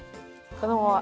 このまま。